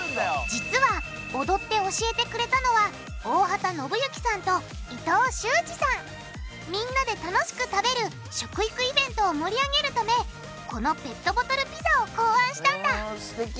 実は踊って教えてくれたのはみんなで楽しく食べる食育イベントを盛り上げるためこのペットボトルピザを考案したんだすてき！